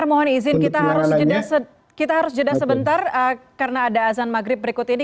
saya mohon izin kita harus jeda sebentar karena ada azan maghrib berikut ini